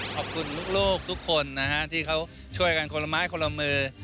ขอบคุณลูกทุกคนนะฮะที่เขาช่วยกันคนละไม้คนละมือ